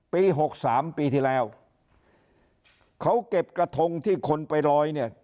หกสามปีที่แล้วเขาเก็บกระทงที่คนไปลอยเนี่ย